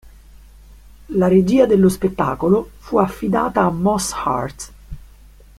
La regia dello spettacolo fu affidata a Moss Hart.